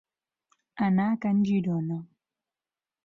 Anar a can Girona.